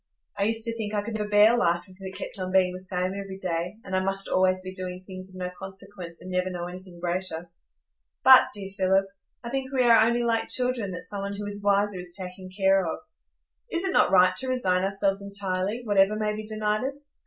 I used to think I could never bear life if it kept on being the same every day, and I must always be doing things of no consequence, and never know anything greater. But, dear Philip, I think we are only like children that some one who is wiser is taking care of. Is it not right to resign ourselves entirely, whatever may be denied us?